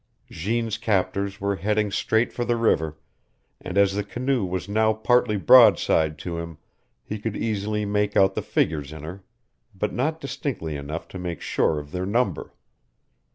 Jeanne's captors were heading straight for the river, and as the canoe was now partly broadside to him he could easily make out the figures in her, but not distinctly enough to make sure of their number.